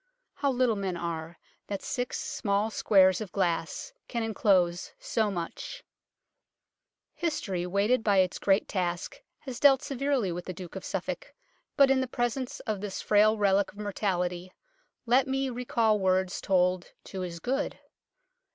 How little men are, that six small squares of glass can enclose so much ! 12 UNKNOWN LONDON History, weighted by its great task, has dealt severely with the Duke of Suffolk, but in the presence of this frail relic of mortality let me recall words told to his good.